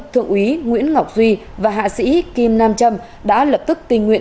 thượng úy nguyễn ngọc duy và hạ sĩ kim nam trâm đã lập tức tình nguyện